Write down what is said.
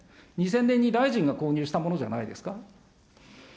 ２０００年に大臣が購入したものじゃないですか。